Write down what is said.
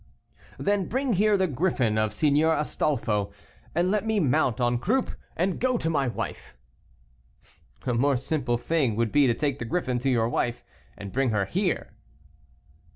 "Then, bring here the griffin of Signor Astolfo, and let me mount en croupe, and go to my wife." "A more simple thing would be to take the griffin to your wife and bring her here."